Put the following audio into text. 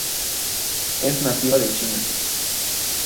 Es nativa de China.